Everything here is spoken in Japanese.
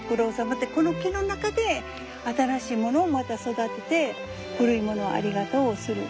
この木の中で新しいものをまた育てて古いものをありがとうする。